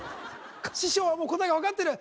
師匠はもう答えが分かってる